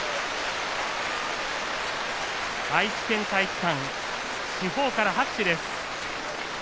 愛知県体育館四方から拍手です。